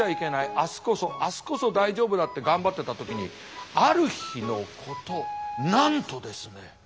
明日こそ明日こそ大丈夫だって頑張ってた時にある日のことなんとですね。